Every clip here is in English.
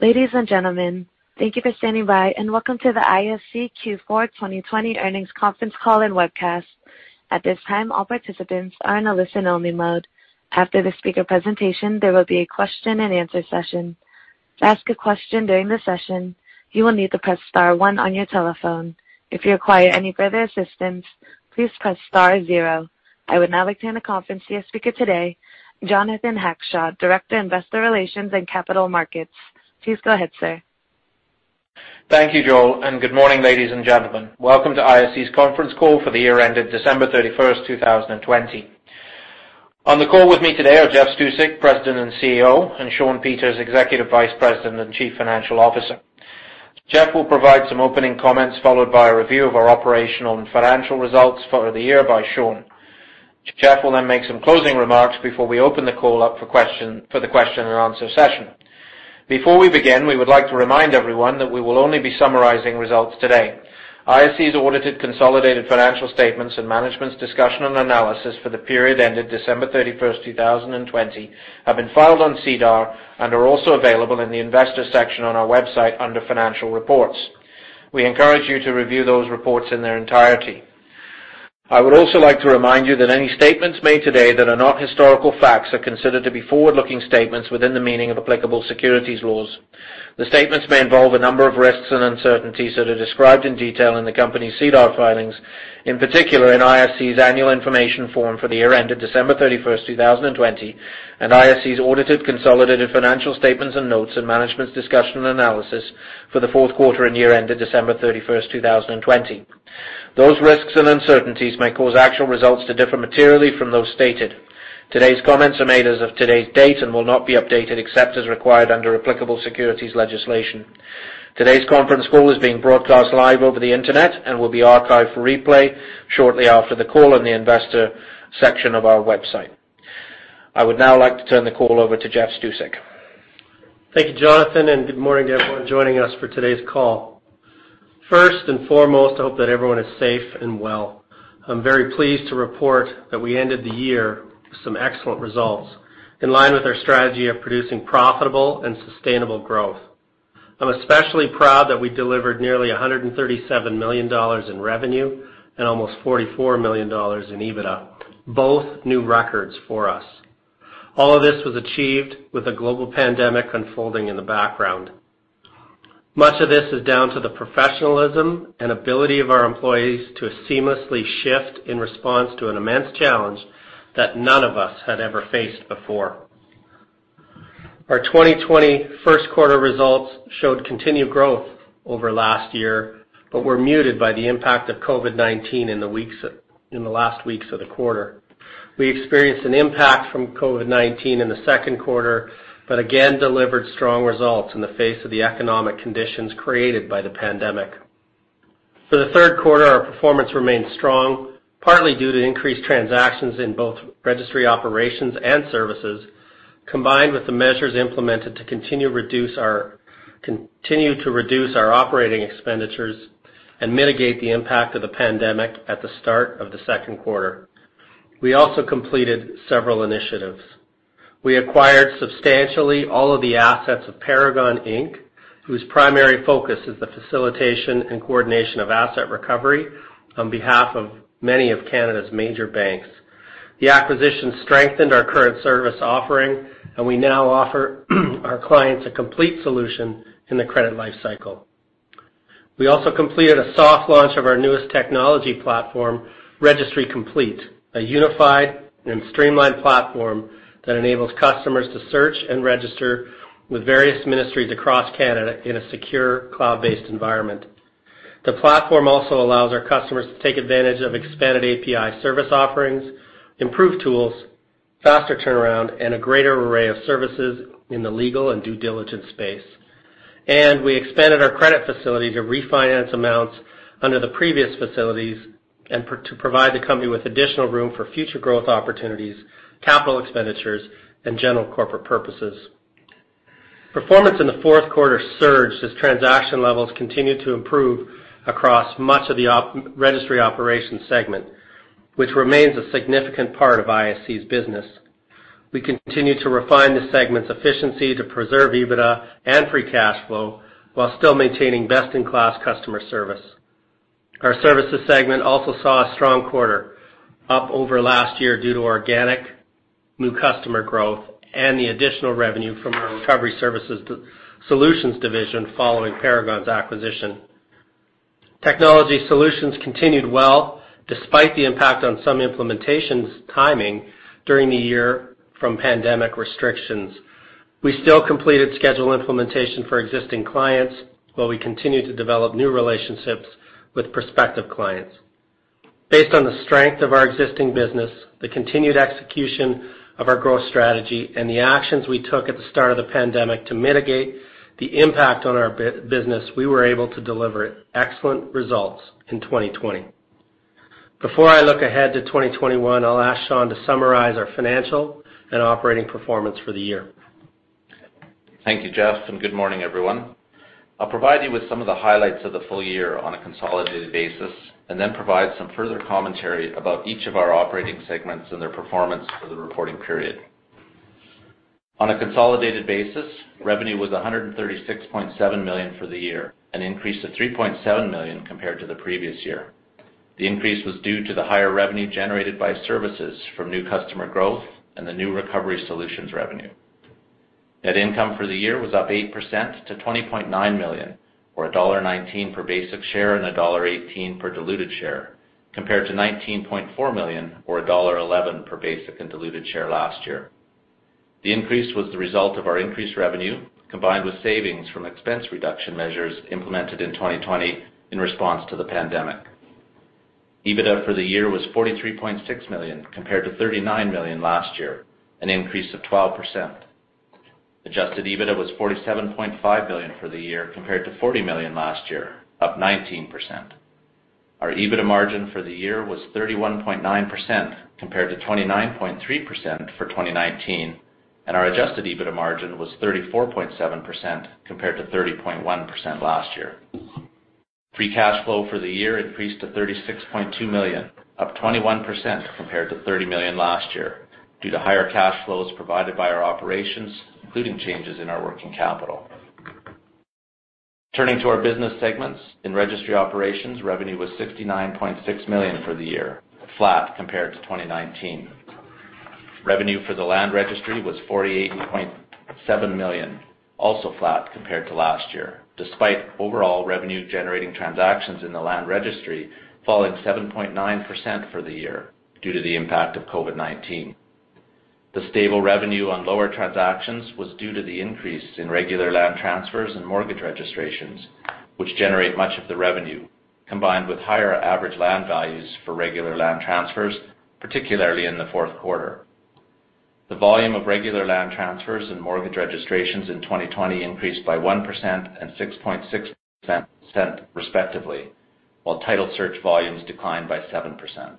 Ladies and gentlemen, thank you for standing by, and welcome to the ISC Q4 2020 earnings conference call and webcast. I would now like to hand the conference to your speaker today, Jonathan Hackshaw, Director, Investor Relations and Capital Markets. Please go ahead, sir. Thank you, Joelle. Good morning, ladies and gentlemen. Welcome to ISC's conference call for the year ended December 31st, 2020. On the call with me today are Jeff Stusek, President and CEO, and Shawn Peters, Executive Vice President and Chief Financial Officer. Jeff will provide some opening comments, followed by a review of our operational and financial results for the year by Shawn. Jeff will make some closing remarks before we open the call up for the question and answer session. Before we begin, we would like to remind everyone that we will only be summarizing results today. ISC's audited consolidated financial statements and Management's Discussion and Analysis for the period ended December 31st, 2020 have been filed on SEDAR and are also available in the investor section on our website under financial reports. We encourage you to review those reports in their entirety. I would also like to remind you that any statements made today that are not historical facts are considered to be forward-looking statements within the meaning of applicable securities rules. The statements may involve a number of risks and uncertainties that are described in detail in the company's SEDAR filings, in particular in ISC's annual information form for the year ended December 31st, 2020, and ISC's audited consolidated financial statements and notes and management's discussion and analysis for the fourth quarter and year ended December 31st, 2020. Those risks and uncertainties may cause actual results to differ materially from those stated. Today's comments are made as of today's date and will not be updated except as required under applicable securities legislation. Today's conference call is being broadcast live over the internet and will be archived for replay shortly after the call in the investor section of our website. I would now like to turn the call over to Jeff Stusek. Thank you, Jonathan, and good morning to everyone joining us for today's call. First and foremost, I hope that everyone is safe and well. I'm very pleased to report that we ended the year with some excellent results in line with our strategy of producing profitable and sustainable growth. I'm especially proud that we delivered nearly 137 million dollars in revenue and almost 44 million dollars in EBITDA, both new records for us. All of this was achieved with a global pandemic unfolding in the background. Much of this is down to the professionalism and ability of our employees to seamlessly shift in response to an immense challenge that none of us had ever faced before. Our 2020 first quarter results showed continued growth over last year but were muted by the impact of COVID-19 in the last weeks of the quarter. We experienced an impact from COVID-19 in the second quarter, but again delivered strong results in the face of the economic conditions created by the pandemic. For the third quarter, our performance remained strong, partly due to increased transactions in both Registry Operations and Services, combined with the measures implemented to continue to reduce our operating expenditures and mitigate the impact of the pandemic at the start of the second quarter. We also completed several initiatives. We acquired substantially all of the assets of Paragon Inc., whose primary focus is the facilitation and coordination of asset recovery on behalf of many of Canada's major banks. The acquisition strengthened our current service offering, and we now offer our clients a complete solution in the credit life cycle. We also completed a soft launch of our newest technology platform, Registry Complete, a unified and streamlined platform that enables customers to search and register with various ministries across Canada in a secure cloud-based environment. The platform also allows our customers to take advantage of expanded API service offerings, improved tools, faster turnaround, and a greater array of services in the legal and due diligence space. We expanded our credit facility to refinance amounts under the previous facilities, and to provide the company with additional room for future growth opportunities, capital expenditures, and general corporate purposes. Performance in the fourth quarter surged as transaction levels continued to improve across much of the Registry Operations segment, which remains a significant part of ISC's business. We continue to refine the segment's efficiency to preserve EBITDA and free cash flow while still maintaining best-in-class customer service. Our Services segment also saw a strong quarter, up over last year due to organic new customer growth and the additional revenue from our Recovery Solutions division following Paragon's acquisition. Technology Solutions continued well despite the impact on some implementations timing during the year from pandemic restrictions. We still completed scheduled implementation for existing clients, while we continued to develop new relationships with prospective clients. Based on the strength of our existing business, the continued execution of our growth strategy, and the actions we took at the start of the pandemic to mitigate the impact on our business, we were able to deliver excellent results in 2020. Before I look ahead to 2021, I'll ask Shawn to summarize our financial and operating performance for the year. Thank you, Jeff, and good morning, everyone. I'll provide you with some of the highlights of the full year on a consolidated basis, and then provide some further commentary about each of our operating segments and their performance for the reporting period. On a consolidated basis, revenue was 136.7 million for the year, an increase of 3.7 million compared to the previous year. The increase was due to the higher revenue generated by Services from new customer growth and the new Recovery Solutions revenue. Net income for the year was up 8% to 20.9 million, or dollar 1.19 per basic share, and dollar 1.18 per diluted share, compared to 19.4 million or dollar 1.11 per basic and diluted share last year. The increase was the result of our increased revenue, combined with savings from expense reduction measures implemented in 2020 in response to the pandemic. EBITDA for the year was 43.6 million compared to 39 million last year, an increase of 12%. Adjusted EBITDA was 47.5 million for the year compared to 40 million last year, up 19%. Our EBITDA margin for the year was 31.9% compared to 29.3% for 2019, and our adjusted EBITDA margin was 34.7% compared to 30.1% last year. Free cash flow for the year increased to 36.2 million, up 21% compared to 30 million last year due to higher cash flows provided by our operations, including changes in our working capital. Turning to our business segments, in Registry Operations, revenue was 69.6 million for the year, flat compared to 2019. Revenue for the Land Registry was 48.7 million, also flat compared to last year, despite overall revenue-generating transactions in the Land Registry falling 7.9% for the year due to the impact of COVID-19. The stable revenue on lower transactions was due to the increase in regular land transfers and mortgage registrations, which generate much of the revenue, combined with higher average land values for regular land transfers, particularly in the fourth quarter. The volume of regular land transfers and mortgage registrations in 2020 increased by 1% and 6.6%, respectively, while title search volumes declined by 7%.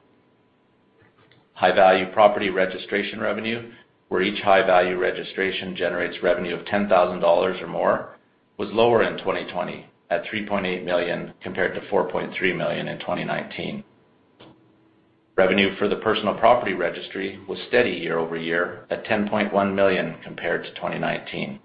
High-value property registration revenue, where each high-value registration generates revenue of 10,000 dollars or more, was lower in 2020 at 3.8 million compared to 4.3 million in 2019. Revenue for the Personal Property Registry was steady year-over-year at 10.1 million compared to 2019.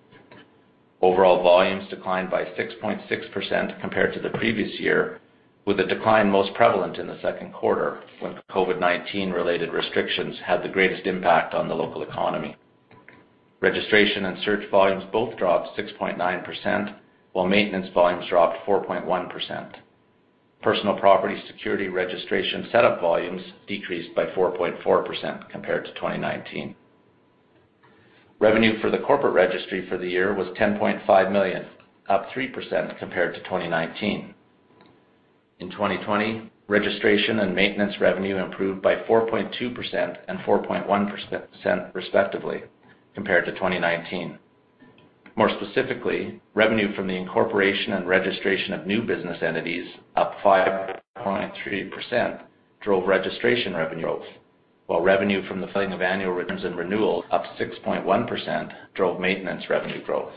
Overall volumes declined by 6.6% compared to the previous year, with the decline most prevalent in the second quarter, when COVID-19-related restrictions had the greatest impact on the local economy. Registration and search volumes both dropped 6.9%, while maintenance volumes dropped 4.1%. Personal property security registration setup volumes decreased by 4.4% compared to 2019. Revenue for the Corporate Registry for the year was 10.5 million, up 3% compared to 2019. In 2020, registration and maintenance revenue improved by 4.2% and 4.1%, respectively, compared to 2019. More specifically, revenue from the incorporation and registration of new business entities up 5.3% drove registration revenue growth, while revenue from the filing of annual returns and renewals up 6.1% drove maintenance revenue growth.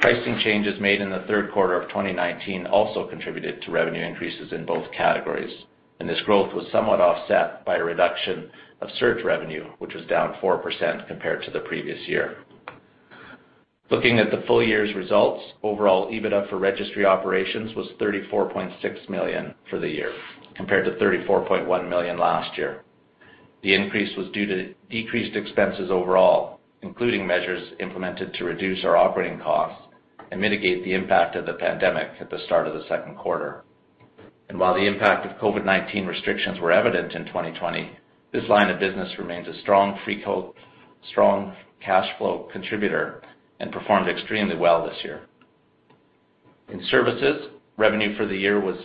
Pricing changes made in the third quarter of 2019 also contributed to revenue increases in both categories, and this growth was somewhat offset by a reduction of search revenue, which was down 4% compared to the previous year. Looking at the full year's results, overall EBITDA for Registry Operations was CAD 34.6 million for the year, compared to CAD 34.1 million last year. The increase was due to decreased expenses overall, including measures implemented to reduce our operating costs and mitigate the impact of the pandemic at the start of the second quarter. While the impact of COVID-19 restrictions were evident in 2020, this line of business remains a strong cash flow contributor and performed extremely well this year. In Services, revenue for the year was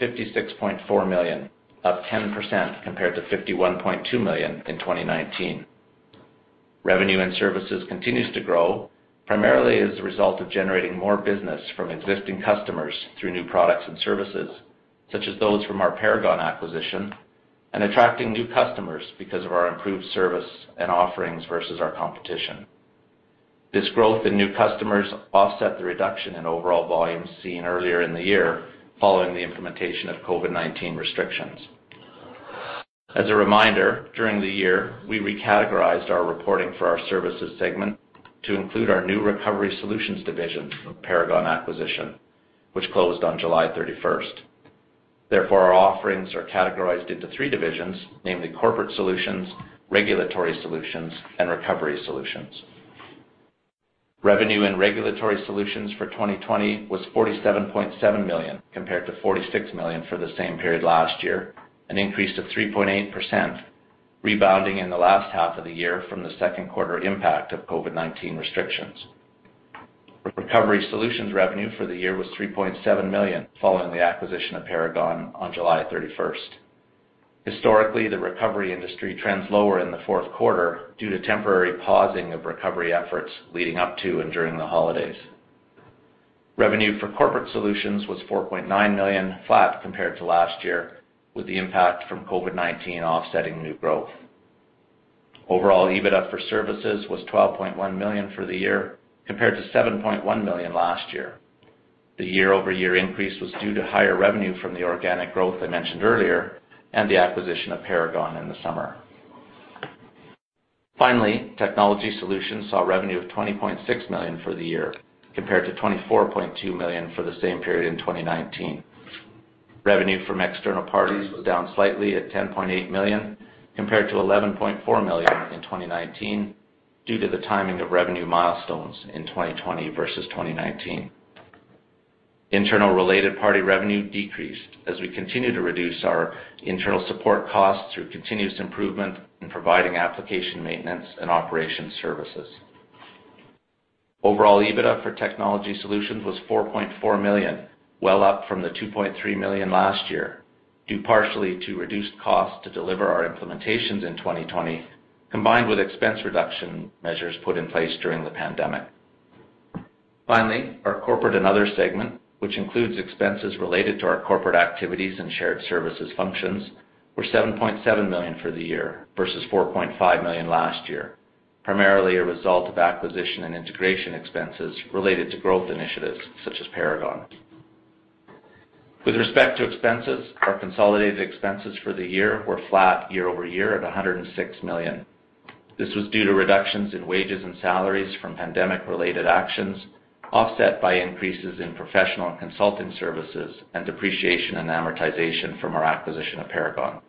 56.4 million, up 10% compared to 51.2 million in 2019. Revenue in Services continues to grow primarily as a result of generating more business from existing customers through new products and services, such as those from our Paragon acquisition, and attracting new customers because of our improved service and offerings versus our competition. This growth in new customers offset the reduction in overall volumes seen earlier in the year following the implementation of COVID-19 restrictions. As a reminder, during the year, we recategorized our reporting for our Services segment to include our new Recovery Solutions division from Paragon acquisition, which closed on July 31st. Our offerings are categorized into three divisions, namely Corporate Solutions, Regulatory Solutions, and Recovery Solutions. Revenue in Regulatory Solutions for 2020 was 47.7 million compared to 46 million for the same period last year, an increase of 3.8%, rebounding in the last half of the year from the second quarter impact of COVID-19 restrictions. Recovery Solutions revenue for the year was 3.7 million following the acquisition of Paragon on July 31st. Historically, the recovery industry trends lower in the fourth quarter due to temporary pausing of recovery efforts leading up to and during the holidays. Revenue for Corporate Solutions was 4.9 million, flat compared to last year, with the impact from COVID-19 offsetting new growth. Overall EBITDA for services was 12.1 million for the year, compared to 7.1 million last year. The year-over-year increase was due to higher revenue from the organic growth I mentioned earlier and the acquisition of Paragon in the summer. Finally, Technology Solutions saw revenue of 20.6 million for the year, compared to 24.2 million for the same period in 2019. Revenue from external parties was down slightly at 10.8 million, compared to 11.4 million in 2019, due to the timing of revenue milestones in 2020 versus 2019. Internal related party revenue decreased as we continue to reduce our internal support costs through continuous improvement in providing application maintenance and operation services. Overall EBITDA for Technology Solutions was 4.4 million, well up from the 2.3 million last year, due partially to reduced costs to deliver our implementations in 2020, combined with expense reduction measures put in place during the pandemic. Finally, our Corporate and Other segment, which includes expenses related to our corporate activities and shared services functions, were 7.7 million for the year versus 4.5 million last year, primarily a result of acquisition and integration expenses related to growth initiatives such as Paragon. With respect to expenses, our consolidated expenses for the year were flat year-over-year at 106 million. This was due to reductions in wages and salaries from pandemic-related actions, offset by increases in professional and consulting services and depreciation and amortization from our acquisition of Paragon.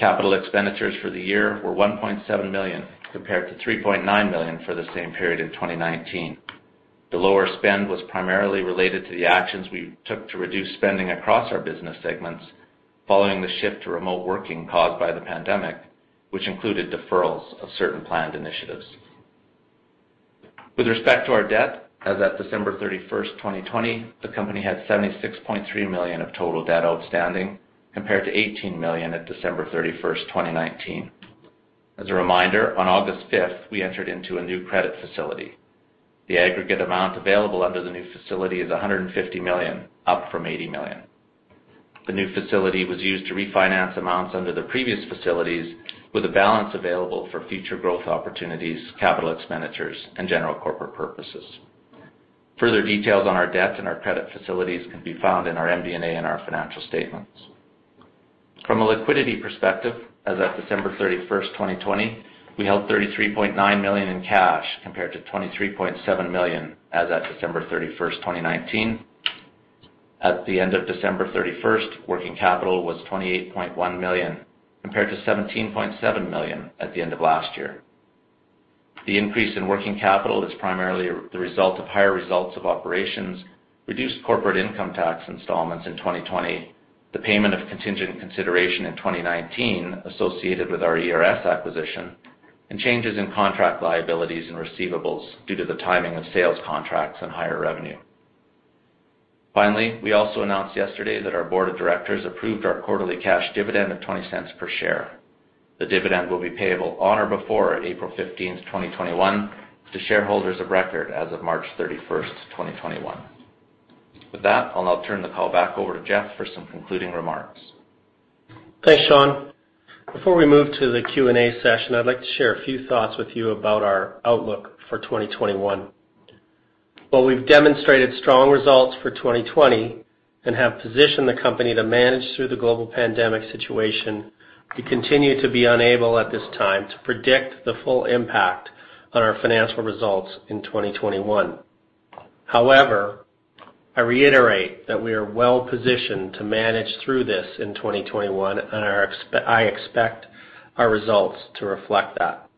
Capital expenditures for the year were 1.7 million, compared to 3.9 million for the same period in 2019. The lower spend was primarily related to the actions we took to reduce spending across our business segments following the shift to remote working caused by the pandemic, which included deferrals of certain planned initiatives. With respect to our debt, as at December 31st, 2020, the company had 76.3 million of total debt outstanding, compared to 18 million at December 31st, 2019. As a reminder, on August 5th, we entered into a new credit facility. The aggregate amount available under the new facility is 150 million, up from 80 million. The new facility was used to refinance amounts under the previous facilities with a balance available for future growth opportunities, capital expenditures, and general corporate purposes. Further details on our debt and our credit facilities can be found in our MD&A and our financial statements. From a liquidity perspective, as at December 31st, 2020, we held 33.9 million in cash compared to 23.7 million as at December 31st, 2019. At the end of December 31st, working capital was 28.1 million, compared to 17.7 million at the end of last year. The increase in working capital is primarily the result of higher results of operations, reduced corporate income tax installments in 2020, the payment of contingent consideration in 2019 associated with our ERS acquisition, and changes in contract liabilities and receivables due to the timing of sales contracts and higher revenue. Finally, we also announced yesterday that our board of directors approved our quarterly cash dividend of 0.20 per share. The dividend will be payable on or before April 15th, 2021 to shareholders of record as of March 31st, 2021. With that, I'll now turn the call back over to Jeff for some concluding remarks. Thanks, Shawn. Before we move to the Q&A session, I'd like to share a few thoughts with you about our outlook for 2021. While we've demonstrated strong results for 2020 and have positioned the company to manage through the global pandemic situation, we continue to be unable at this time to predict the full impact on our financial results in 2021. I reiterate that we are well positioned to manage through this in 2021, and I expect our results to reflect that.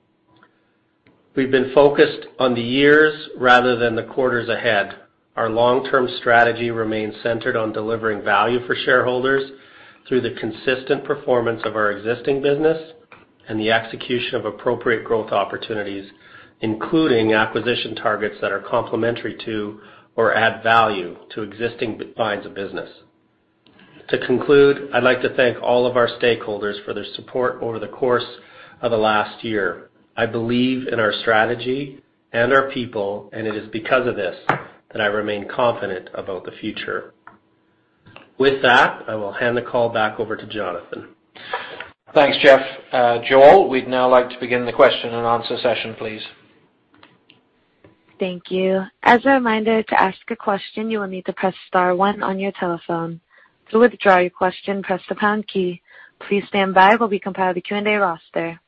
We've been focused on the years rather than the quarters ahead. Our long-term strategy remains centered on delivering value for shareholders through the consistent performance of our existing business and the execution of appropriate growth opportunities, including acquisition targets that are complementary to or add value to existing lines of business. To conclude, I'd like to thank all of our stakeholders for their support over the course of the last year. I believe in our strategy and our people, it is because of this that I remain confident about the future. With that, I will hand the call back over to Jonathan. Thanks, Jeff. Joelle, we'd now like to begin the question and answer session, please. Thank you. As a reminder, to ask a question, you will need to press star one on your telephone. To withdraw your question, press the pound key. Please stand by while we compile the Q&A roster.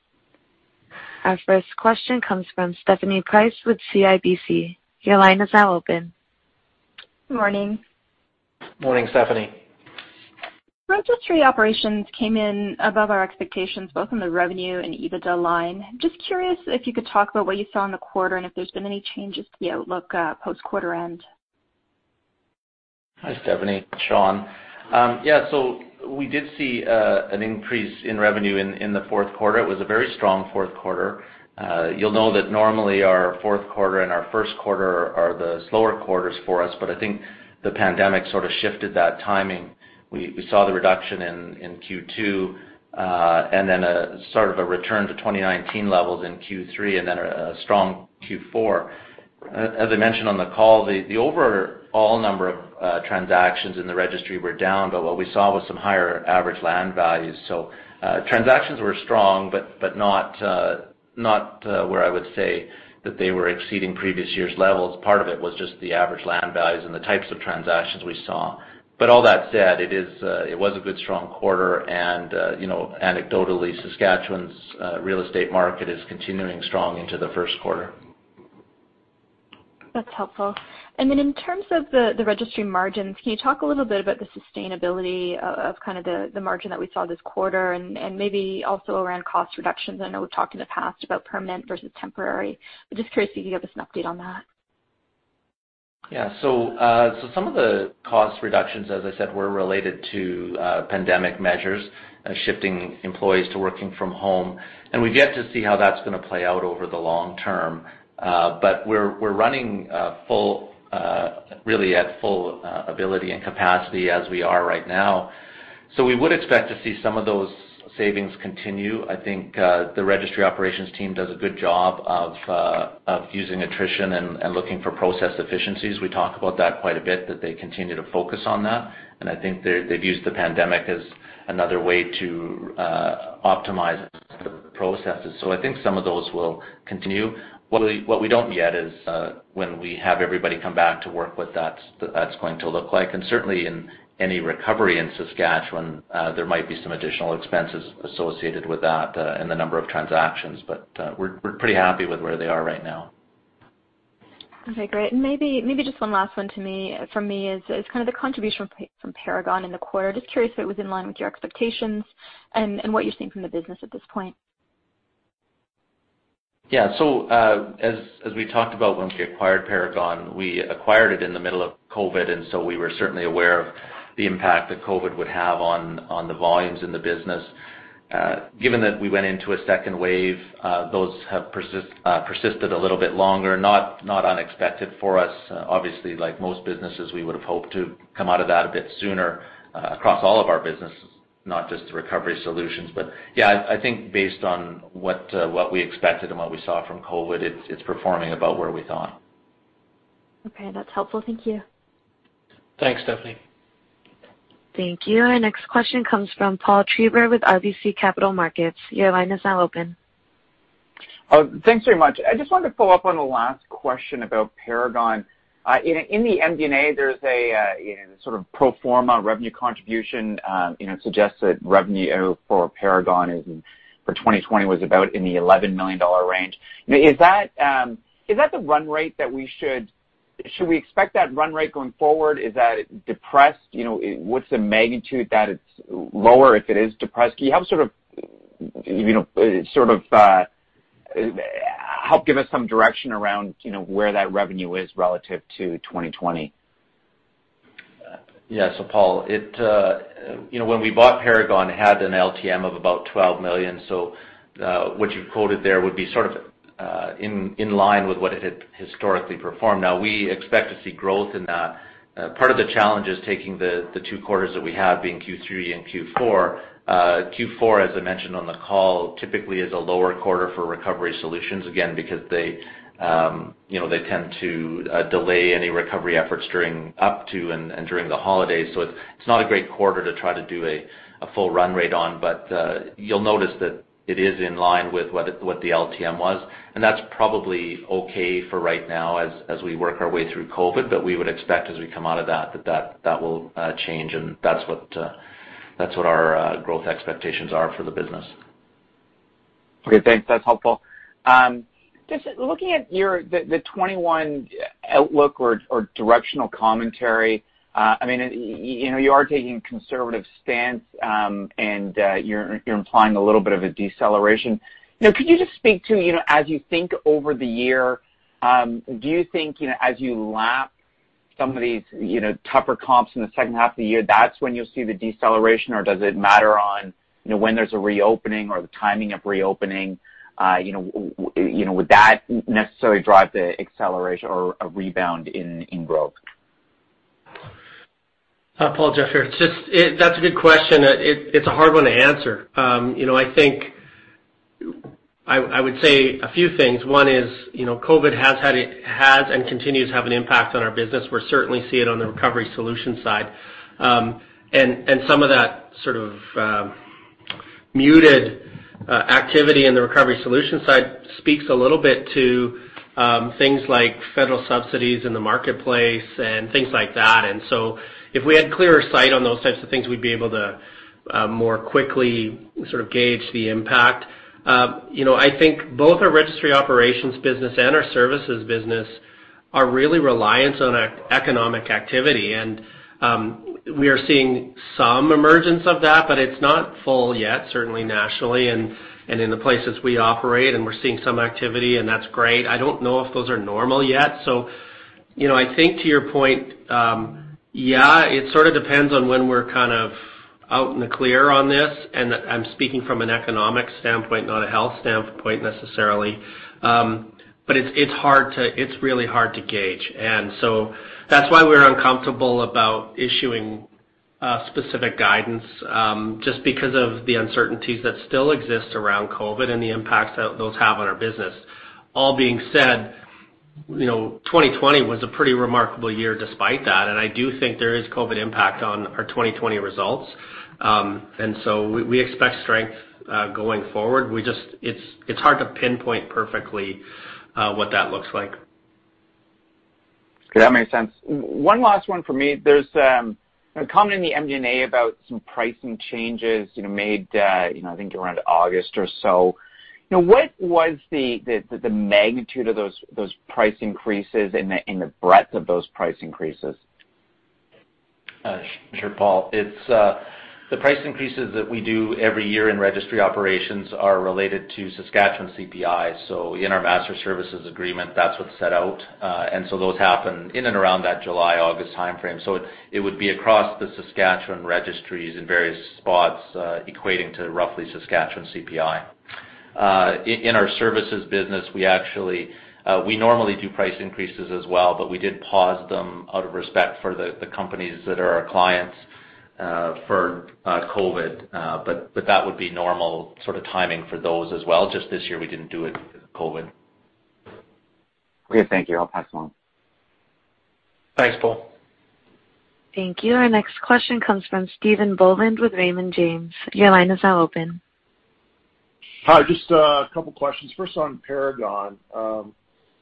Our first question comes from Stephanie Price with CIBC. Your line is now open. Morning. Morning, Stephanie. Registry Operations came in above our expectations, both on the revenue and EBITDA line. Just curious if you could talk about what you saw in the quarter and if there's been any changes to the outlook post quarter end. Hi, Stephanie. Shawn. We did see an increase in revenue in the fourth quarter. It was a very strong fourth quarter. You'll know that normally our fourth quarter and our first quarter are the slower quarters for us, but I think the pandemic sort of shifted that timing. We saw the reduction in Q2, and then a sort of a return to 2019 levels in Q3, and then a strong Q4. As I mentioned on the call, the overall number of transactions in the registry were down, but what we saw was some higher average land values. Transactions were strong, but not where I would say that they were exceeding previous year's levels. Part of it was just the average land values and the types of transactions we saw. All that said, it was a good strong quarter and anecdotally, Saskatchewan's real estate market is continuing strong into the first quarter. That's helpful. Then in terms of the Registry margins, can you talk a little bit about the sustainability of the margin that we saw this quarter and maybe also around cost reductions? I know we've talked in the past about permanent versus temporary, but just curious if you could give us an update on that. Yeah. Some of the cost reductions, as I said, were related to pandemic measures, shifting employees to working from home. We've yet to see how that's going to play out over the long term. We're running really at full ability and capacity as we are right now. We would expect to see some of those savings continue. I think the Registry Operations team does a good job of using attrition and looking for process efficiencies. We talk about that quite a bit, that they continue to focus on that, and I think they've used the pandemic as another way to optimize the processes. I think some of those will continue. What we don't yet is when we have everybody come back to work, what that's going to look like. Certainly in any recovery in Saskatchewan, there might be some additional expenses associated with that in the number of transactions. We're pretty happy with where they are right now. Okay, great. Maybe just one last one from me is kind of the contribution from Paragon in the quarter. Just curious if it was in line with your expectations and what you're seeing from the business at this point. Yeah. As we talked about once we acquired Paragon, we acquired it in the middle of COVID, and so we were certainly aware of the impact that COVID would have on the volumes in the business. Given that we went into a second wave, those have persisted a little bit longer. Not unexpected for us. Obviously, like most businesses, we would have hoped to come out of that a bit sooner across all of our businesses, not just the Recovery Solutions. Yeah, I think based on what we expected and what we saw from COVID, it's performing about where we thought. Okay, that's helpful. Thank you. Thanks, Stephanie. Thank you. Our next question comes from Paul Treiber with RBC Capital Markets. Your line is now open. Thanks very much. I just wanted to follow up on the last question about Paragon. In the MD&A, there's a sort of pro forma revenue contribution suggests that revenue for Paragon for 2020 was about in the 11 million dollar range. Should we expect that run rate going forward? Is that depressed? What's the magnitude that it's lower if it is depressed? Can you help give us some direction around where that revenue is relative to 2020? Yeah. Paul, when we bought Paragon, it had an LTM of about 12 million. What you've quoted there would be sort of in line with what it had historically performed. Now we expect to see growth in that. Part of the challenge is taking the two quarters that we have being Q3 and Q4. Q4, as I mentioned on the call, typically is a lower quarter for Recovery Solutions, again, because they tend to delay any recovery efforts up to and during the holidays. It's not a great quarter to try to do a full run rate on. You'll notice that it is in line with what the LTM was, and that's probably okay for right now as we work our way through COVID. We would expect as we come out of that will change, and that's what our growth expectations are for the business. Okay, thanks. That's helpful. Just looking at the 2021 outlook or directional commentary, you are taking a conservative stance. You're implying a little bit of a deceleration. Could you just speak to, as you think over the year, do you think as you lap some of these tougher comps in the second half of the year, that's when you'll see the deceleration? Does it matter on when there's a reopening or the timing of reopening? Would that necessarily drive the acceleration or a rebound in growth? Paul, Jeff here. That's a good question. It's a hard one to answer. I would say a few things. One is COVID has and continues to have an impact on our business. We certainly see it on the Recovery Solutions side. Some of that sort of muted activity in the Recovery Solutions side speaks a little bit to things like federal subsidies in the marketplace and things like that. If we had clearer sight on those types of things, we'd be able to more quickly sort of gauge the impact. I think both our Registry Operations business and our Services business are really reliant on economic activity, we are seeing some emergence of that, it's not full yet, certainly nationally and in the places we operate, we're seeing some activity, and that's great. I don't know if those are normal yet. I think to your point, yeah, it sort of depends on when we're kind of out in the clear on this. I'm speaking from an economic standpoint, not a health standpoint necessarily. It's really hard to gauge. That's why we're uncomfortable about issuing a specific guidance, just because of the uncertainties that still exist around COVID and the impacts that those have on our business. All being said, 2020 was a pretty remarkable year despite that. I do think there is COVID impact on our 2020 results. We expect strength going forward. It's hard to pinpoint perfectly what that looks like. Okay. That makes sense. One last one for me. There's a comment in the MD&A about some pricing changes made, I think around August or so. What was the magnitude of those price increases and the breadth of those price increases? Sure, Paul. The price increases that we do every year in Registry Operations are related to Saskatchewan CPI. In our master services agreement, that's what's set out. Those happen in and around that July, August timeframe. It would be across the Saskatchewan registries in various spots, equating to roughly Saskatchewan CPI. In our Services business, we normally do price increases as well, but we did pause them out of respect for the companies that are our clients, for COVID. That would be normal sort of timing for those as well, just this year we didn't do it because of COVID. Okay. Thank you. I'll pass it along. Thanks, Paul. Thank you. Our next question comes from Stephen Boland with Raymond James. Your line is now open. Hi, just a couple questions. First on Paragon.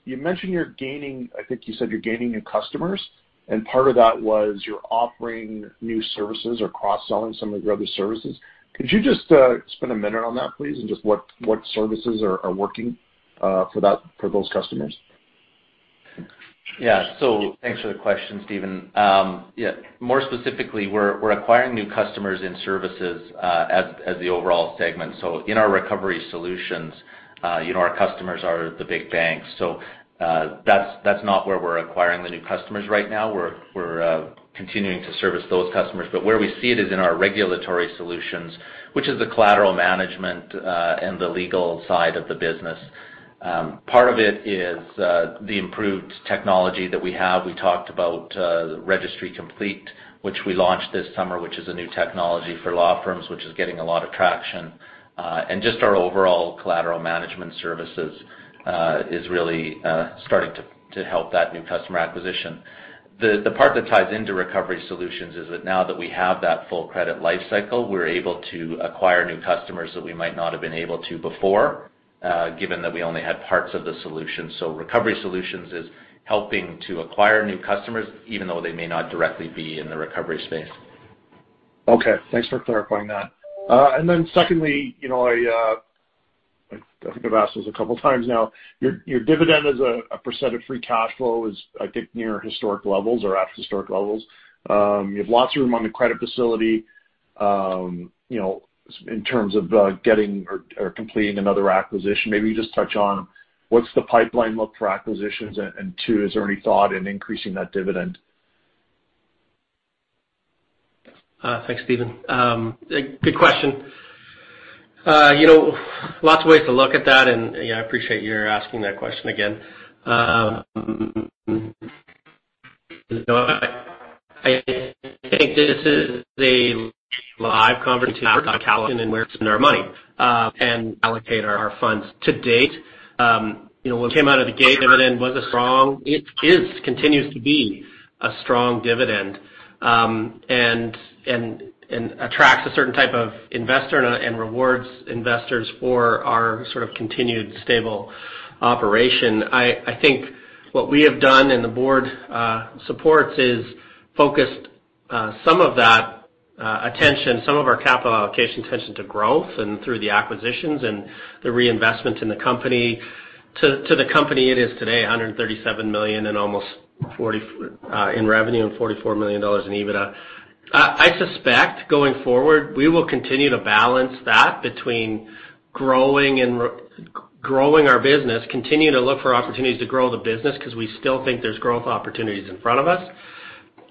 You mentioned you're gaining, I think you said you're gaining new customers, and part of that was you're offering new services or cross-selling some of your other services. Could you just spend a minute on that, please, and just what services are working for those customers? Thanks for the question, Stephen. More specifically, we're acquiring new customers in Services, as the overall segment. In our Recovery Solutions, our customers are the big banks. That's not where we're acquiring the new customers right now. We're continuing to service those customers. Where we see it is in our Regulatory Solutions, which is the collateral management, and the legal side of the business. Part of it is the improved technology that we have. We talked about Registry Complete, which we launched this summer, which is a new technology for law firms, which is getting a lot of traction. Just our overall collateral management services is really starting to help that new customer acquisition. The part that ties into Recovery Solutions is that now that we have that full credit life cycle, we're able to acquire new customers that we might not have been able to before, given that we only had parts of the solution. Recovery Solutions is helping to acquire new customers, even though they may not directly be in the recovery space. Okay. Thanks for clarifying that. Secondly, I think I've asked this a couple times now. Your dividend as a % of free cash flow is, I think, near historic levels or at historic levels. You have lots of room on the credit facility, in terms of getting or completing another acquisition. Maybe you just touch on what's the pipeline look for acquisitions, and two, is there any thought in increasing that dividend? Thanks, Stephen. Good question. Lots of ways to look at that. I appreciate you're asking that question again. I think this is a live conversation on capital and where to spend our money, and allocate our funds to date. When we came out of the gate, It is, continues to be a strong dividend. It attracts a certain type of investor and rewards investors for our sort of continued stable operation. I think what we have done and the board supports is focused some of that attention, some of our capital allocation attention to growth and through the acquisitions and the reinvestment in the company to the company it is today, 137 million in revenue and 44 million dollars in EBITDA. I suspect going forward, we will continue to balance that between growing our business, continuing to look for opportunities to grow the business because we still think there's growth opportunities in front of us.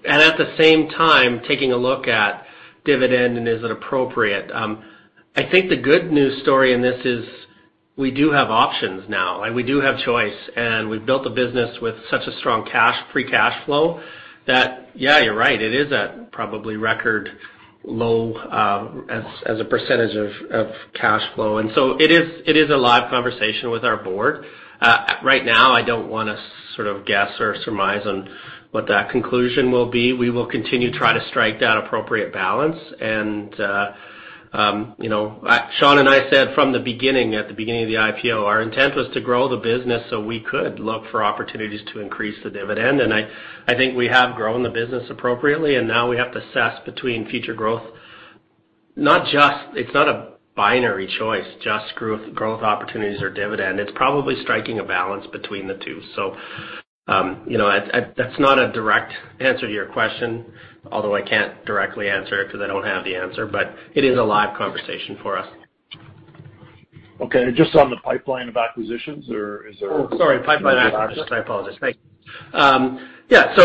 At the same time, taking a look at dividend and is it appropriate. I think the good news story in this is we do have options now, and we do have choice, and we've built a business with such a strong free cash flow that, yeah, you're right, it is at probably record low, as a percentage of cash flow. It is a live conversation with our board. Right now, I don't want to sort of guess or surmise on what that conclusion will be. We will continue to try to strike that appropriate balance. Shawn and I said from the beginning, at the beginning of the IPO, our intent was to grow the business so we could look for opportunities to increase the dividend. I think we have grown the business appropriately, and now we have to assess between future growth. It's not a binary choice, just growth opportunities or dividend. It's probably striking a balance between the two. That's not a direct answer to your question, although I can't directly answer it because I don't have the answer, but it is a live conversation for us. Okay. Just on the pipeline of acquisitions or is there? Oh, sorry. Pipeline of acquisitions. I apologize. Thank you. Yeah.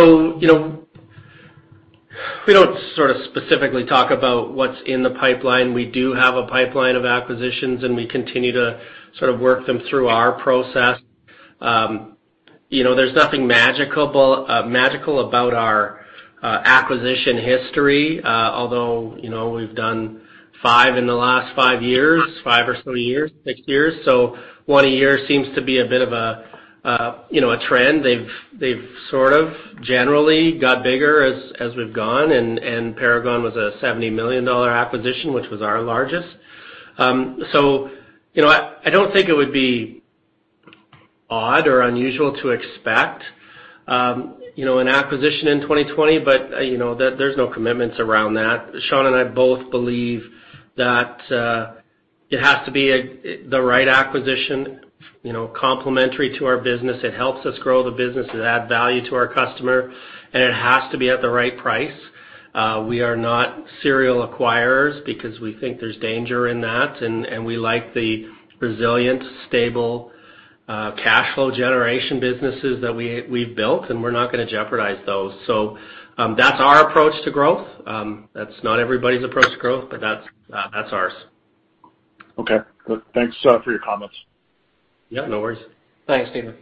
We don't sort of specifically talk about what's in the pipeline. We do have a pipeline of acquisitions, and we continue to sort of work them through our process. There's nothing magical about our acquisition history. Although, we've done five in the last five or six years. One a year seems to be a bit of a trend. They've sort of generally got bigger as we've gone, and Paragon was a 70 million dollar acquisition, which was our largest. I don't think it would be odd or unusual to expect an acquisition in 2021, but there's no commitments around that. Shawn and I both believe that it has to be the right acquisition, complementary to our business. It helps us grow the business. It add value to our customer, and it has to be at the right price. We are not serial acquirers because we think there's danger in that, and we like the resilient, stable, cash flow generation businesses that we've built, and we're not going to jeopardize those. That's our approach to growth. That's not everybody's approach to growth, but that's ours. Okay. Good. Thanks for your comments. Yeah, no worries. Thanks, Stephen.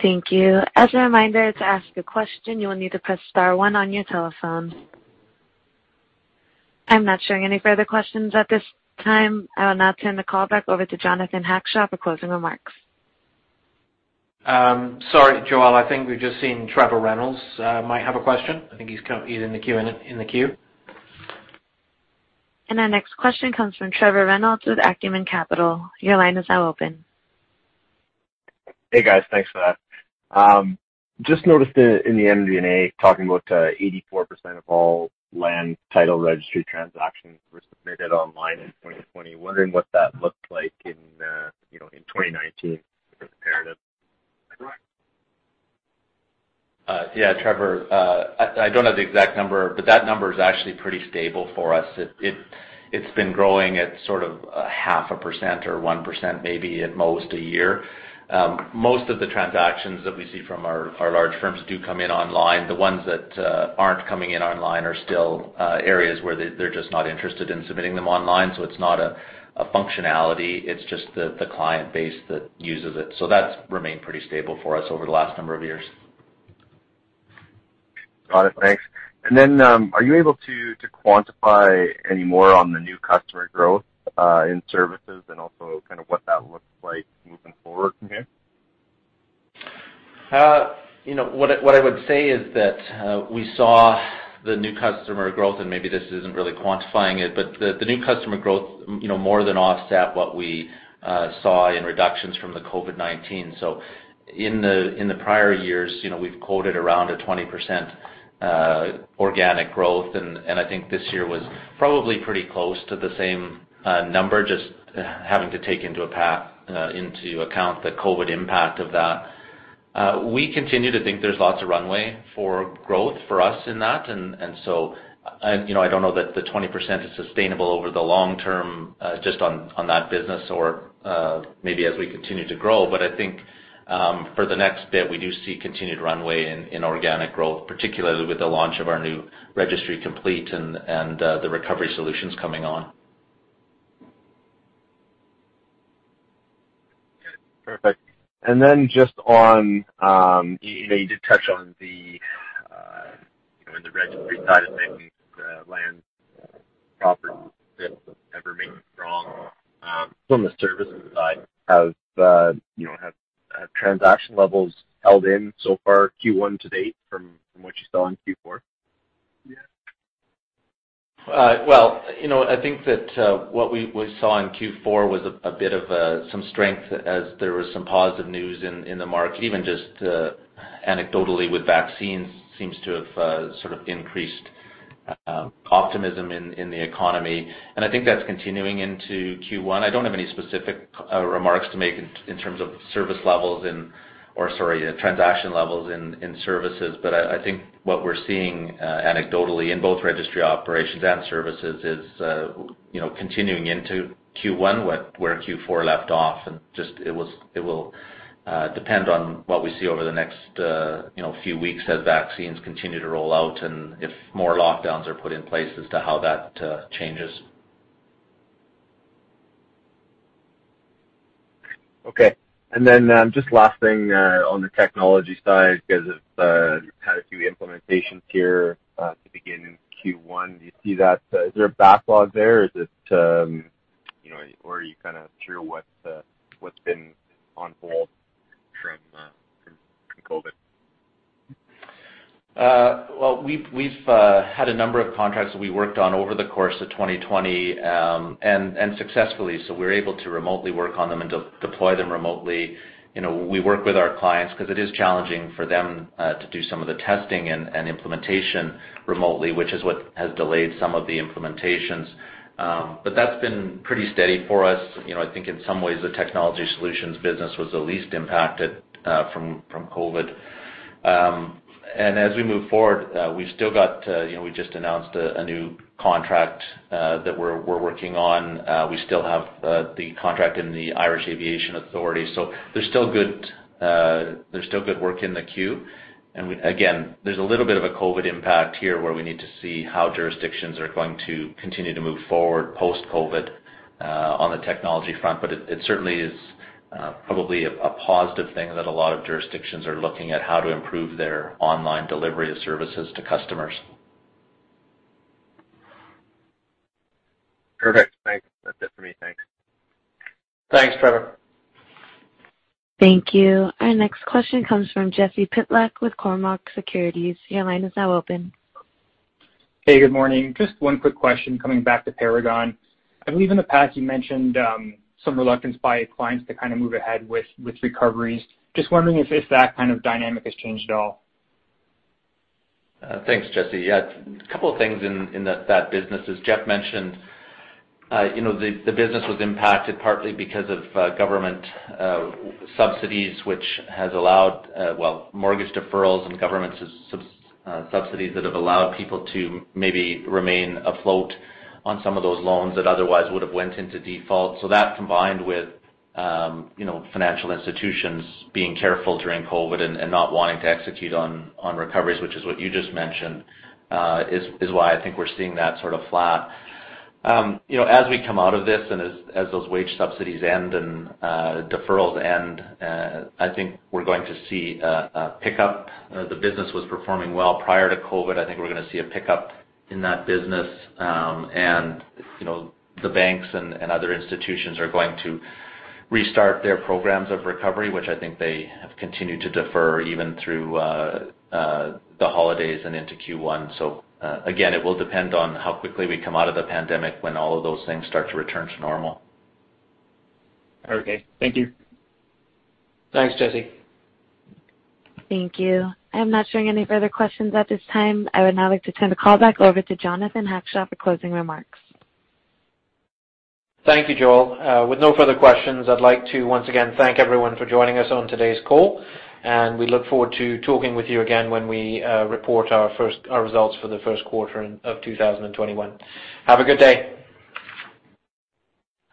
Thank you. As a reminder, to ask a question, you will need to press star one on your telephone. I'm not showing any further questions at this time. I will now turn the call back over to Jonathan Hackshaw for closing remarks. Sorry, Joelle, I think we've just seen Trevor Reynolds might have a question. I think he's in the queue. Our next question comes from Trevor Reynolds with Acumen Capital. Your line is now open. Hey, guys. Thanks for that. Just noticed in the MD&A talking about 84% of all land title registry transactions were submitted online in 2020. Wondering what that looked like in 2019 for the comparative? Yeah, Trevor, I don't have the exact number, but that number is actually pretty stable for us. It's been growing at sort of a 0.5% or 1%, maybe at most a year. Most of the transactions that we see from our large firms do come in online. The ones that aren't coming in online are still areas where they're just not interested in submitting them online, so it's not a functionality, it's just the client base that uses it. That's remained pretty stable for us over the last number of years. Got it. Thanks. Are you able to quantify any more on the new customer growth in Services and also kind of what that looks like moving forward from here? What I would say is that we saw the new customer growth, and maybe this isn't really quantifying it, but the new customer growth more than offset what we saw in reductions from the COVID-19. In the prior years, we've quoted around a 20% organic growth, and I think this year was probably pretty close to the same number, just having to take into account the COVID impact of that. We continue to think there's lots of runway for growth for us in that. I don't know that the 20% is sustainable over the long term just on that business or maybe as we continue to grow. I think for the next bit, we do see continued runway in organic growth, particularly with the launch of our new Registry Complete and the Recovery Solutions coming on. Good. Perfect. Just on, you did touch on the registry side of things, Land, Property ever remaining strong. From the Services side, have transaction levels held in so far Q1 to date from what you saw in Q4? Well, I think that what we saw in Q4 was a bit of some strength as there was some positive news in the market, even just anecdotally with vaccines seems to have sort of increased optimism in the economy, and I think that's continuing into Q1. I don't have any specific remarks to make in terms of transaction levels in Services. I think what we're seeing anecdotally in both Registry Operations and Services is continuing into Q1 where Q4 left off, and it will depend on what we see over the next few weeks as vaccines continue to roll out and if more lockdowns are put in place as to how that changes. Okay. Just last thing on the technology side, because you've had a few implementations here to begin Q1. Is there a backlog there, or are you kind of through what's been on hold from COVID? We've had a number of contracts that we worked on over the course of 2020, and successfully, so we're able to remotely work on them and deploy them remotely. We work with our clients because it is challenging for them to do some of the testing and implementation remotely, which is what has delayed some of the implementations. That's been pretty steady for us. I think in some ways the Technology Solutions business was the least impacted from COVID. As we move forward, we just announced a new contract that we're working on. We still have the contract in the Irish Aviation Authority, so there's still good work in the queue. Again, there's a little bit of a COVID impact here where we need to see how jurisdictions are going to continue to move forward post-COVID on the technology front. It certainly is probably a positive thing that a lot of jurisdictions are looking at how to improve their online delivery of services to customers. Perfect. Thanks. That's it for me. Thanks. Thanks, Trevor. Thank you. Our next question comes from Jesse Pytlak with Cormark Securities. Your line is now open. Hey, good morning. Just one quick question coming back to Paragon. I believe in the past you mentioned some reluctance by clients to kind of move ahead with recoveries. Just wondering if that kind of dynamic has changed at all. Thanks, Jesse. Yeah. A couple of things in that business. As Jeff mentioned, the business was impacted partly because of government subsidies, which has allowed, well, mortgage deferrals and government subsidies that have allowed people to maybe remain afloat on some of those loans that otherwise would have went into default. That combined with financial institutions being careful during COVID and not wanting to execute on recoveries, which is what you just mentioned, is why I think we're seeing that sort of flat. As we come out of this and as those wage subsidies end and deferrals end, I think we're going to see a pickup. The business was performing well prior to COVID. I think we're going to see a pickup in that business. The banks and other institutions are going to restart their programs of recovery, which I think they have continued to defer even through the holidays and into Q1. Again, it will depend on how quickly we come out of the pandemic when all of those things start to return to normal. Okay. Thank you. Thanks, Jesse. Thank you. I'm not showing any further questions at this time. I would now like to turn the call back over to Jonathan Hackshaw for closing remarks. Thank you, Joelle. With no further questions, I'd like to once again thank everyone for joining us on today's call, and we look forward to talking with you again when we report our results for the first quarter of 2021. Have a good day.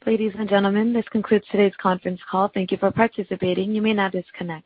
Ladies and gentlemen, this concludes today's conference call. Thank you for participating. You may now disconnect.